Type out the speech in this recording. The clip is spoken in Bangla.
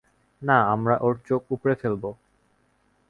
না, আমরা ওর চোখ উপড়ে ফেলব!